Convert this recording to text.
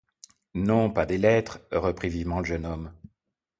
Non pas des lettres, reprit vivement le jeune homme.